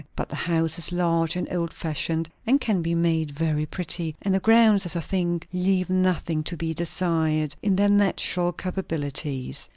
But the house is large and old fashioned, and can be made very pretty; and the grounds, as I think, leave nothing to be desired, in their natural capabilities.